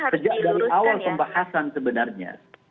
sejak dari awal pembahasan sebenarnya